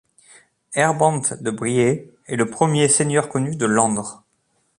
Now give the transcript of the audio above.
Herbrand de Briey est le premier seigneur connu de Landres.